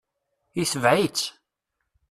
Itbeɛ-tt.